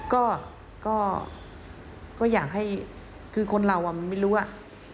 ก็ก็ก็อยากให้คือคนเราอ่ะมันไม่รู้อ่ะ